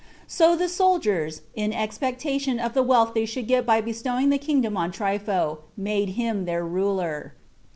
So the soldiers, in expectation of the wealth they should get by bestowing the kingdom on Trypho, made him their ruler.